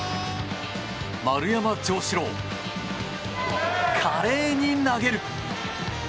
丸山城志郎、華麗に投げる。